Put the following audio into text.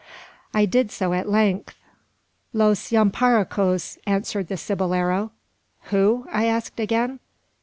I did so at length. "Los Yamparicos," answered the cibolero. "Who?" I asked again.